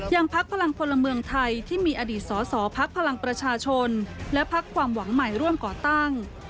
พักพลังพลเมืองไทยที่มีอดีตสอสอพักพลังประชาชนและพักความหวังใหม่ร่วมก่อตั้ง